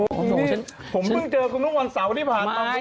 ผมเหมือนมึงเจอกันทุกวันเสาร์ที่ผ่านปีสัก